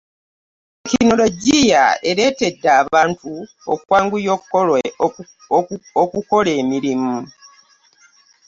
tekinologiya aleetedde abantu okwanguya okukola emirimu.